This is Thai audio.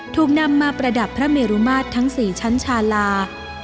ถูกนำมาประดับพระเมรุมาตรทั้ง๔ชั้นชาลา